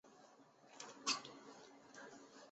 刘元霖人。